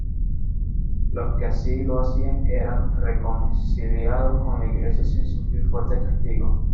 Los que así lo hacían eran "reconciliados" con la Iglesia sin sufrir fuertes castigos.